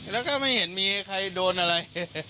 แล้วก็ไม่เห็นมีใครโดนอะไร